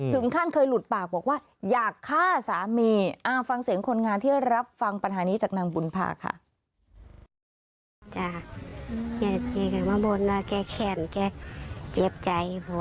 ถึงขั้นเคยหลุดปากบอกว่าอยากฆ่าสามีฟังเสียงคนงานที่รับฟังปัญหานี้จากนางบุญภาค่ะ